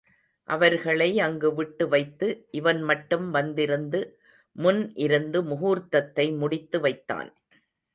அவர்களை அங்கு விட்டு வைத்து இவன் மட்டும் வந்திருந்து முன் இருந்து முகூர்த்தத்தை முடித்து வைத்தான்.